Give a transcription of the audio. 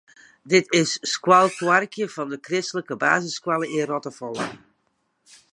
Dit is it skoalkoarke fan de kristlike basisskoalle yn Rottefalle.